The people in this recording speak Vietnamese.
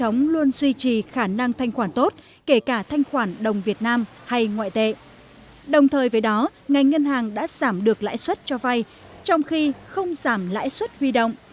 ngành ngân hàng đã giảm được lãi xuất cho vay trong khi không giảm lãi xuất huy động